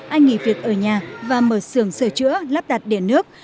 anh nghỉ việc ở nhà và mở xưởng sửa chữa lắp đặt điện nước